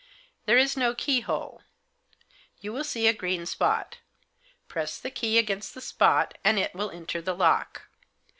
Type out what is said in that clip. There is no keyhole. You will see a green spot Press the key against the spot and it will enter the lock.